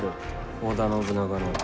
織田信長の。